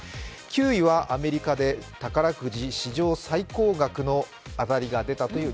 ９位はアメリカで宝くじ史上最高額の当たりが出たという